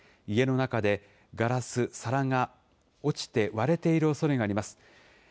家の中でガラス、皿が落ちて、割れているおそれがあります。